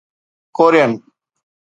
Korean